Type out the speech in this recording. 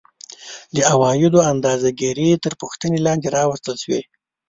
د عوایدو اندازه ګیري تر پوښتنې لاندې راوستل شوې